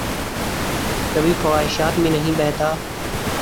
کبھی خواہشات میں نہیں بہتا